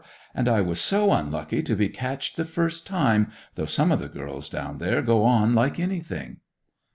And I was so onlucky to be catched the first time, though some of the girls down there go on like anything!